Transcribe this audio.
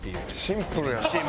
シンプル。